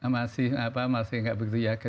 masih tidak begitu yakin